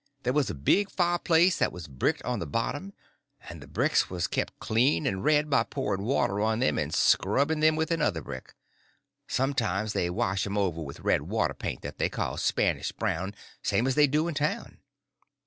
There was a big fireplace that was bricked on the bottom, and the bricks was kept clean and red by pouring water on them and scrubbing them with another brick; sometimes they wash them over with red water paint that they call Spanish brown, same as they do in town.